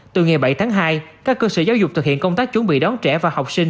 từ ngày bảy tháng hai các cơ sở giáo dục thực hiện công tác chuẩn bị đón trẻ và học sinh